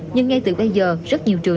nhưng ngay từ bây giờ rất nhiều trường